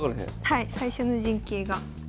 はい最初の陣形が。